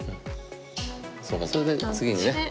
そっかそれで次のね。